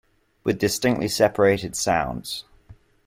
With distinctly separated sounds.